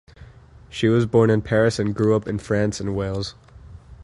She was born in Paris and grew up in France and Wales.